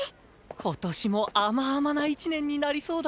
今年も甘々な一年になりそうだね。